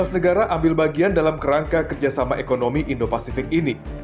empat belas negara ambil bagian dalam kerangka kerjasama ekonomi indo pacific ini